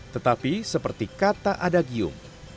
tetapi seperti kata adagium